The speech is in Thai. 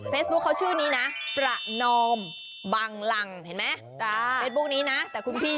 เฟซบุ๊กเขาชื่อนี้นะประนอมบังรังเห็นไหม